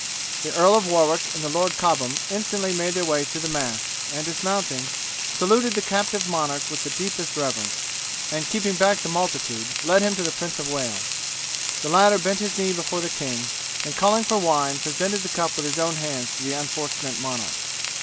The Earl of Warwick and Lord Cobham instantly made their way through the mass, and dismounting, saluted the captive monarch with the deepest reverence, and keeping back the multitude led him to the Prince of Wales. The latter bent his knee before the king, and calling for wine, presented the cup with his own hands to the unfortunate monarch.